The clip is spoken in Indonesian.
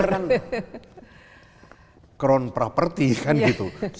karena kan kron properti kan gitu